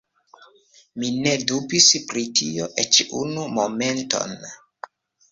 Mi ne dubis pri tio eĉ unu momenton.